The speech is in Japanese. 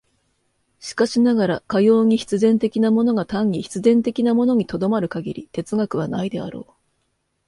しかしながら、かように必然的なものが単に必然的なものに止まる限り哲学はないであろう。